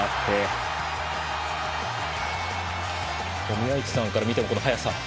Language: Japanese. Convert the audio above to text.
宮市さんから見てもこの速さは？